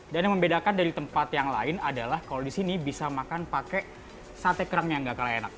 dan yang membedakan dari tempat yang lain adalah kalau di sini bisa makan pakai sate kerang yang nggak kalah enak